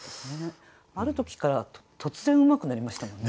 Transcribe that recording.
ある時から突然うまくなりましたもんね。